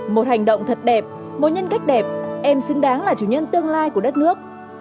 một hành động thật đẹp một nhân cách đẹp em xứng đáng là chủ nhân tương lai của đất nước